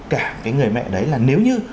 cả cái người mẹ đấy là nếu như